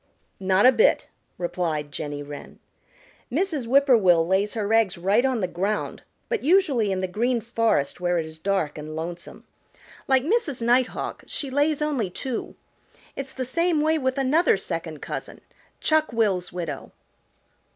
"Not a bit," replied Jenny Wren. "Mrs. Whip poor will lays her eggs right on the ground, but usually in the Green Forest where it is dark and lonesome. Like Mrs. Nighthawk, she lays only two. It's the same way with another second cousin, Chuck will's widow."